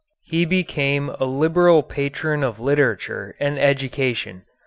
He became a liberal patron of literature and education.